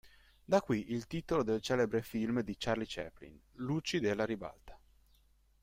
Da qui il titolo del celebre film di Charlie Chaplin "Luci della ribalta".